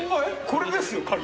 これですよ鍵。